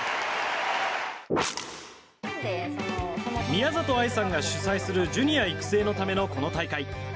宮里藍さんが主催するジュニア育成のためのこの大会。